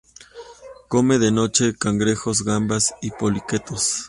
Come de noche cangrejos, gambas y poliquetos.